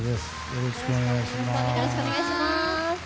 よろしくお願いします。